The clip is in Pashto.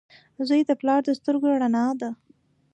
• زوی د پلار د سترګو رڼا وي.